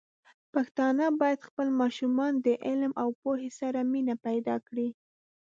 پښتانه بايد خپل ماشومان د علم او پوهې سره مینه پيدا کړي.